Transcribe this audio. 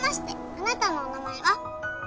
あなたのお名前は？